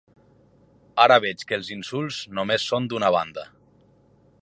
Ara veig que els insults només són d’una banda.